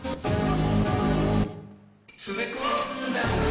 「詰め込んだ歌」